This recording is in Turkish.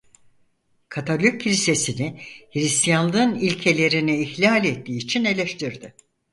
Katolik Kilisesi'ni Hristiyanlığın ilkelerini ihlal ettiği için eleştirdi.